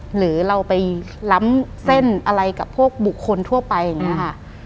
หรือเราไปล้ำเส้นอะไรกับพวกบุคคลทั่วไปอย่างนี้ค่ะ